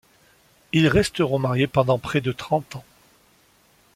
Ils resteront mariés pendant près de trente ans.